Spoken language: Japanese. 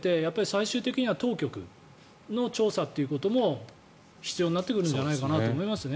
最終的には当局の調査ということも必要になってくるんじゃないかと思いますね。